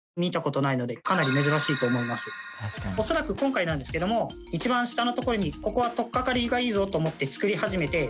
恐らく今回なんですけども一番下の所にここはとっかかりがいいぞと思って作り始めて。